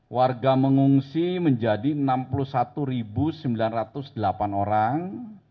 warga mengungsi menjadi enam puluh satu sembilan ratus delapan orang